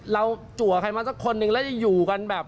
จัวใครมาสักคนนึงแล้วจะอยู่กันแบบ